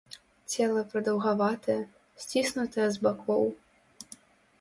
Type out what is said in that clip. Цела прадаўгаватае, сціснутае з бакоў.